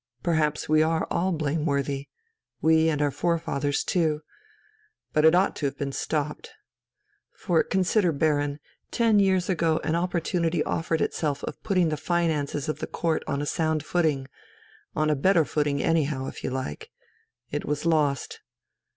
Perhaps we are all blameworthy, we and our forefathers too. But it ought to have been stopped. For consider, Baron; ten years ago an opportunity offered itself of putting the finances of the Court on a sound footing, on a better footing anyhow, if you like. It was lost.